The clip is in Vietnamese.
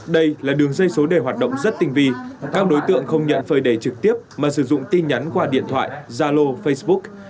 đây là đường dây số đề hoạt động rất tinh vi các đối tượng không nhận phơi đề trực tiếp mà sử dụng tin nhắn qua điện thoại zalo facebook